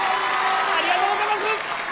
ありがとうございます。